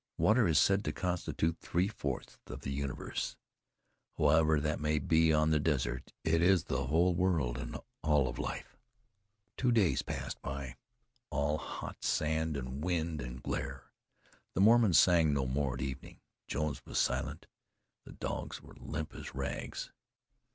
Water is said to constitute three fourths of the universe. However that may be, on the desert it is the whole world, and all of life. Two days passed by, all hot sand and wind and glare. The Mormons sang no more at evening; Jones was silent; the dogs were limp as rags.